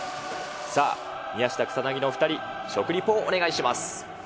さあ、宮下草薙のお２人、食リポ、お願いします。